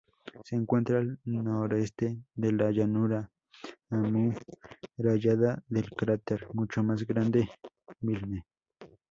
Se encuentra al noreste de la llanura amurallada del cráter mucho más grande Milne.